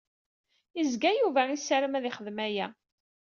Izga Yuba isarram ad ixdem aya.